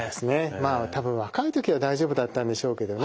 まあ多分若い時は大丈夫だったんでしょうけどね